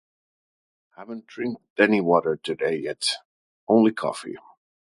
I don't drink any water today yet, only coffee.